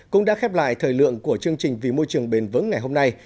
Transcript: cũng đã khép lại thời lượng của chương trình vì môi trường bền vững ngày hôm nay